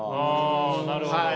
あなるほど。